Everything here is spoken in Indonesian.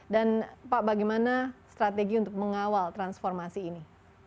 dan pak bagaimana strategi untuk mengawal transformasi ini